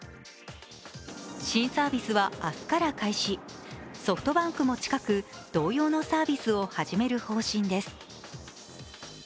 新サービスは明日から開始、ソフトバンクも近く同様のサービスを始める方針です。